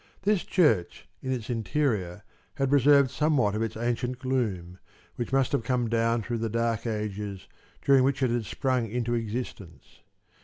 This church in its interior had preserved somewhat of its ancient gloom, which must have come down through the dark ages during which it had sprung into existence.